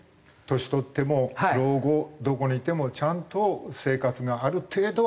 年取っても老後どこにいてもちゃんと生活がある程度は保障される。